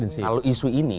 kalau isu ini